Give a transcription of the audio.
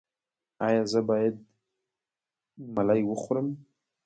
ایا زه باید ملی وخورم؟